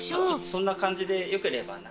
そんな感じでよければ中。